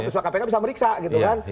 terus kpk bisa meriksa gitu kan